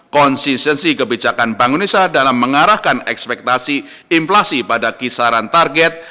konsistensi kebijakan bank indonesia dalam mengarahkan ekspektasi inflasi pada kisaran target